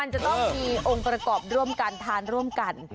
จะต้องมีองค์ประกอบร่วมกันทานร่วมกัน